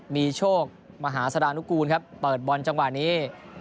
มีโชคมหาสารนุกูลครับเปิดบอลจังหวะนี้